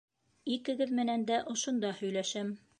Икегеҙ менән дә ошонда һөйләшәм.